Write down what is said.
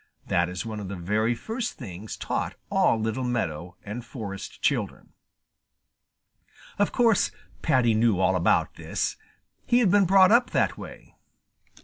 That is one of the very first things taught all little meadow and forest children. Of course, Paddy knew all about this. He had been brought up that way.